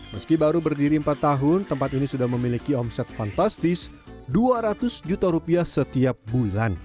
meski baru berdiri empat tahun tempat ini sudah memiliki omset fantastis dua ratus juta rupiah setiap bulan